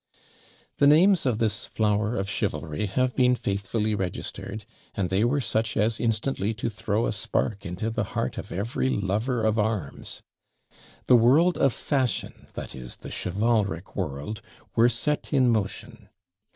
The names of this flower of chivalry have been faithfully registered, and they were such as instantly to throw a spark into the heart of every lover of arms! The world of fashion, that is, the chivalric world, were set in motion.